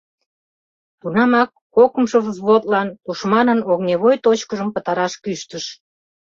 Тунамак кокымшо взводлан тушманын огневой точкыжым пытараш кӱштыш.